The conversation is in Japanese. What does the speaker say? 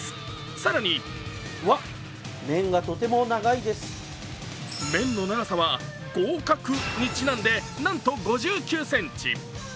更に麺の長さは合格にちなんで、なんと５９ｃｍ。